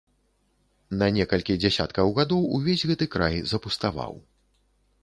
На некалькі дзясяткаў гадоў увесь гэты край запуставаў.